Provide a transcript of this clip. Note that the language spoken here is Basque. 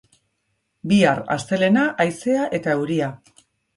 Bihar, astelehena, haizea eta euria.